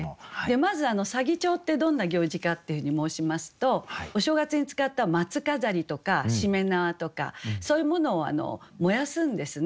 まず左義長ってどんな行事かっていうふうに申しますとお正月に使った松飾りとかしめ縄とかそういうものを燃やすんですね。